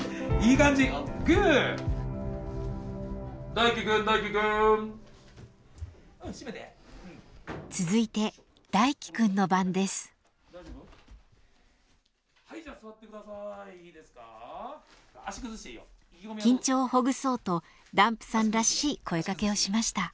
緊張をほぐそうとダンプさんらしい声かけをしました。